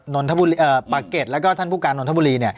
นอนเทพฤปะเกรดแล้วก็ท่านผู้การนอนเทพฤ